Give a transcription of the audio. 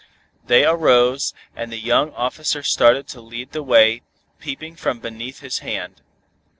They arose, and the young officer started to lead the way, peeping from beneath his hand.